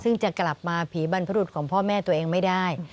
ซึ่งจะกลับมาผีบรรพรุษของพ่อแม่ตัวเองไม่ได้